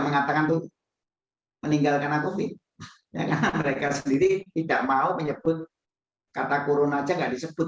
mengatakan itu meninggal karena covid mereka sendiri tidak mau menyebut kata kurun aja nggak disebut